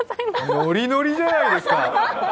ノリノリじゃないですか。